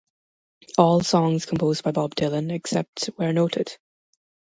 All songs composed by Bob Dylan, except where noted.